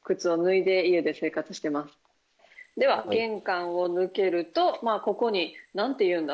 では玄関を抜けるとここに何て言うんだ？